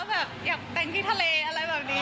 แบบอยากแต่งที่ทะเลอะไรแบบนี้